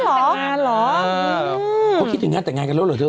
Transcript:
เขาคิดถึงงานแต่งงานกันแล้วเหรอเธอ